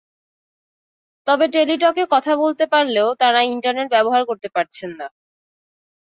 তবে টেলিটকে কথা বলতে পারলেও তাঁরা ইন্টারনেট ব্যবহার করতে পারছেন না।